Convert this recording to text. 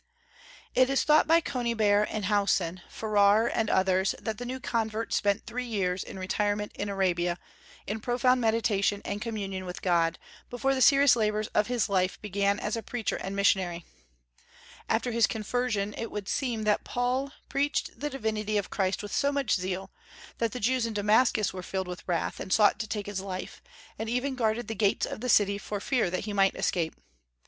It is thought by Conybeare and Howson, Farrar and others that the new convert spent three years in retirement in Arabia, in profound meditation and communion with God, before the serious labors of his life began as a preacher and missionary. After his conversion it would seem that Saul preached the divinity of Christ with so much zeal that the Jews in Damascus were filled with wrath, and sought to take his life, and even guarded the gates of the city for fear that he might escape.